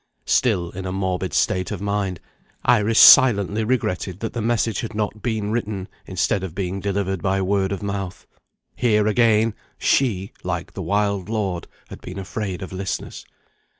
Still in a morbid state of mind, Iris silently regretted that the message had not been written, instead of being delivered by word of mouth. Here, again, she (like the wild lord) had been afraid of listeners.